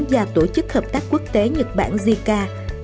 và tổ chức hợp tác quốc tế nhật bản zika